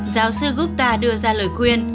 giáo sư gupta đưa ra lời khuyên